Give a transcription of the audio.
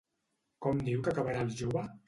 Com diu que acabarà el jove?